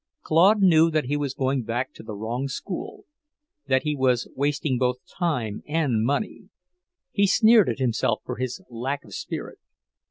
Claude knew that he was going back to the wrong school, that he was wasting both time and money. He sneered at himself for his lack of spirit.